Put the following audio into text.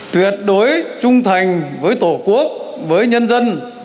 tuyệt đối trung thành với tổ quốc với nhân dân